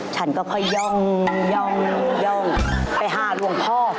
ฉันก็ค่อยย่องไปหาหลวงพ่อ